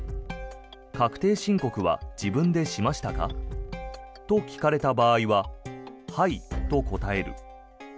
確定申告は自分でしましたか？と聞かれた場合ははいと答える。